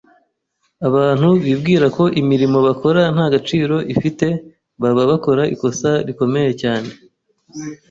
Abantu bibwira ko imirimo bakora nta gaciro ifite baba bakora ikosa rikomeye cyane.